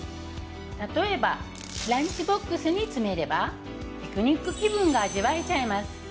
例えばランチボックスに詰めればピクニック気分が味わえちゃいます